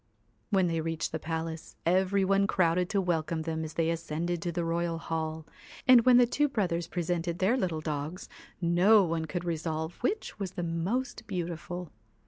When they reached the palace, every one crowded to welcome them as they ascended to the royal hall, and when the two brothers presented their little dogs, no one could resolve which was the most beautiful.